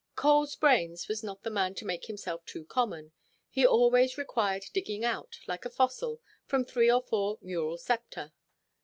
"Coleʼs brains" was not the man to make himself too common. He always required digging out, like a fossil, from three or four mural septa.